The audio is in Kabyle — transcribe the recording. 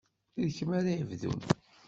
D kemm ara yebdun.